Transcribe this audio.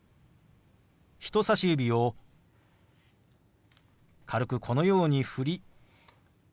人さし指を軽くこのように振りＷｈ